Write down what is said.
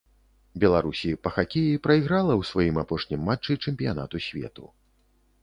Беларусі па хакеі прайграла ў сваім апошнім матчы чэмпіянату свету.